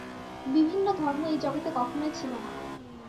বিভিন্ন ধর্ম এই জগতে কখনই ছিল না।